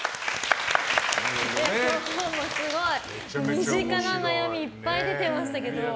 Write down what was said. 身近な悩みがいっぱい出てましたけど。